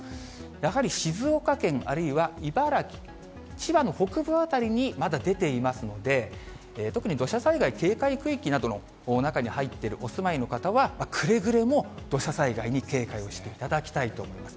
やはり静岡県、あるいは茨城、千葉の北部辺りにまだ出ていますので、特に土砂災害警戒区域などの中に入っているお住まいの方は、くれぐれも土砂災害に警戒をしていただきたいと思います。